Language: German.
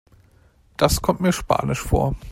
Das kommt mir spanisch vor.